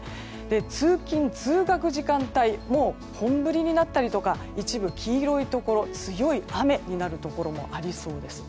通勤・通学時間帯は本降りになったりとか一部、黄色いところ強い雨になるところもありそうです。